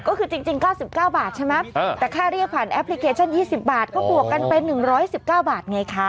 ก็คือจริง๙๙บาทใช่ไหมแต่ค่าเรียกผ่านแอปพลิเคชัน๒๐บาทก็บวกกันเป็น๑๑๙บาทไงคะ